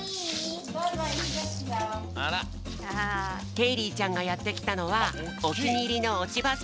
ケイリーちゃんがやってきたのはおきにいりのおちばスポット